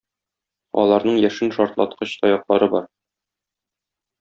Аларның яшен шартлаткыч таяклары бар.